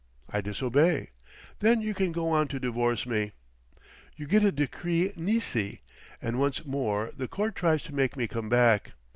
I disobey. Then you can go on to divorce me. You get a Decree Nisi, and once more the Court tries to make me come back.